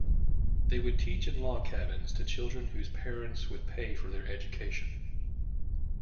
They would teach in log-cabins to children whose parents would pay for their education.